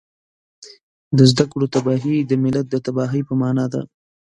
د زده کړو تباهي د ملت د تباهۍ په مانا ده